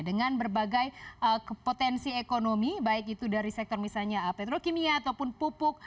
dengan berbagai potensi ekonomi baik itu dari sektor misalnya petrokimia ataupun pupuk